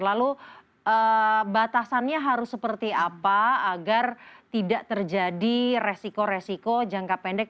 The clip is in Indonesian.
lalu batasannya harus seperti apa agar tidak terjadi resiko resiko jangka pendek